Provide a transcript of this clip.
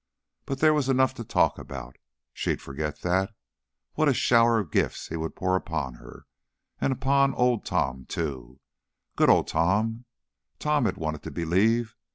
But there was enough to talk about. She'd forget that. What a shower of gifts he would pour upon her and upon Old Tom, too! Good Old Tom! Tom had wanted to believe.